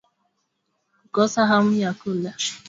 Kukosa hamu ya kula